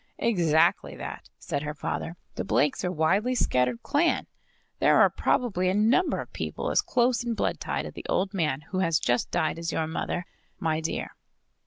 "Exactly that," said her father. "The Blakes are a widely scattered clan. There are probably a number of people as close in blood tie to the old man who has just died as your mother, my dear.